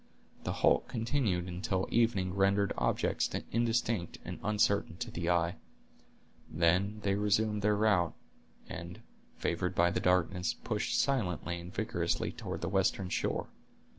The halt continued until evening rendered objects indistinct and uncertain to the eye. Then they resumed their route, and, favored by the darkness, pushed silently and vigorously toward the western shore.